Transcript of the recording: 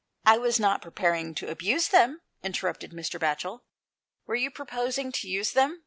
" I was not proposing to abuse them," inter rupted Mr. Batchel. " "Were you proposing to use them